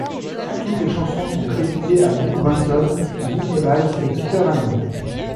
Toutes les chansons sont créditées à Hugh Banton, Guy Evans et Peter Hammill.